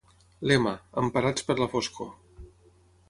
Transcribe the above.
Lema: "Emparats per la foscor".